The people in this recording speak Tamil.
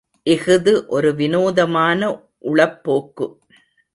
இஃது ஒரு வினோதமான உளப்போக்கு!